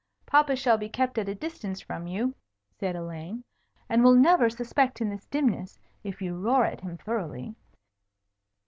"Papa shall be kept at a distance from you," said Elaine, "and will never suspect in this dimness, if you roar at him thoroughly."